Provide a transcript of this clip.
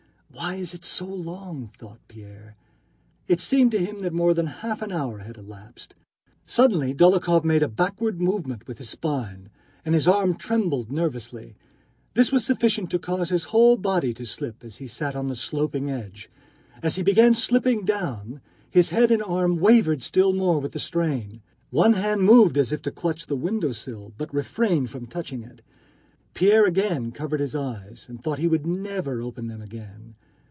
"Why is it so long?" thought Pierre. It seemed to him that more than half an hour had elapsed. Suddenly Dólokhov made a backward movement with his spine, and his arm trembled nervously; this was sufficient to cause his whole body to slip as he sat on the sloping ledge. As he began slipping down, his head and arm wavered still more with the strain. One hand moved as if to clutch the window sill, but refrained from touching it. Pierre again covered his eyes and thought he would never open them again.